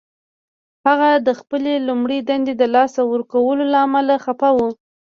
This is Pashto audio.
هغه د خپلې لومړۍ دندې د لاسه ورکولو له امله خفه و